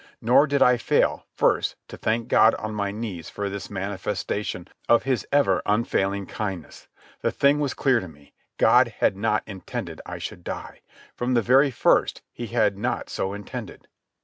Nor did I fail, first, to thank God on my knees for this manifestation of His ever unfailing kindness. The thing was clear to me: God had not intended I should die. From the very first He had not so intended.